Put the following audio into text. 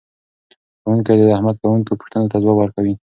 ښوونکي د زده کوونکو پوښتنو ته ځواب ورکوي.